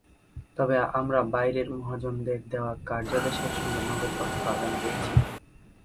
তবে আমরা বাইরের মহাজনদের দেওয়া কার্যাদেশের সঙ্গে নগদ অর্থ আগাম পেয়েছি।